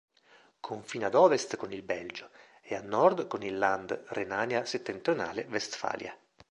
Confina ad ovest con il Belgio ed a nord con il "Land" Renania Settentrionale-Vestfalia.